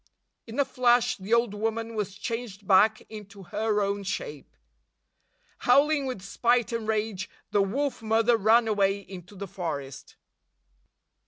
In a flash, the old woman was changed back into her own shape. Howling with spite and rage, the Wolf Mother ran away into the forest.